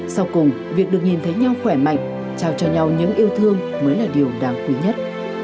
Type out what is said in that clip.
sau cùng việc được nhìn thấy nhau khỏe mạnh trao cho nhau những yêu thương mới là điều đáng quý nhất